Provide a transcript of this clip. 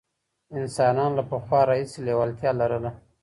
انسانانو له پخوا راهیسې لېوالتیا لرله.